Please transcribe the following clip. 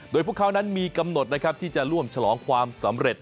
โดยพวกเขานั้นมีกำหนดนะครับที่จะร่วมฉลองความสำเร็จ